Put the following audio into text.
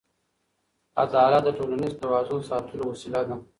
عدالت د ټولنیز توازن ساتلو وسیله ده.